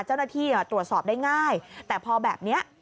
เจ้าหน้าที่ตรวจสอบได้ง่ายแต่พอแบบนี้